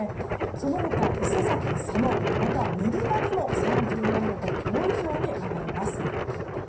その他、伊勢崎、佐野また練馬でも３４度と今日以上に上がります。